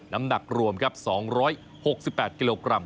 น้ำหนักรวมครับ๒๖๘กิโลกรัม